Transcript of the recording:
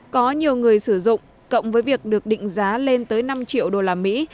có nhiều người sử dụng cộng với việc được định giá lên tới năm triệu đô la mỹ